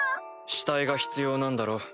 死体が必要なんだろ？